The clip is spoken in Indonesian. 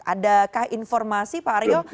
adakah informasi pak aryo